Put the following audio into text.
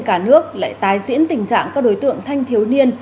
một số thành phố lớn trên cả nước lại tái diễn tình trạng các đối tượng thanh thiếu niên